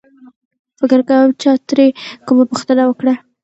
فکر کوم چا ترې کومه پوښتنه وکړه.